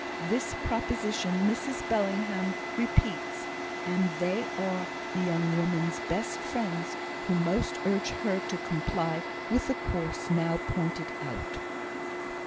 This proposition, Mrs Bellingham repeats; and they are the young woman's best friends who most urge her to comply with the course now pointed out.